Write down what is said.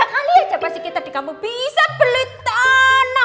tiga kali aja pasti kita di kampung bisa beli tanah